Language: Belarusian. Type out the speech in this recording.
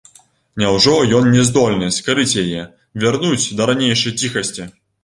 Няўжо ён не здольны скарыць яе, вярнуць да ранейшае ціхасці?